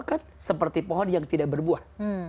kan seperti pohon yang tidak berbuah